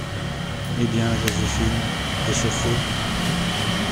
Eh bien, Joséphine, et ce feu ?…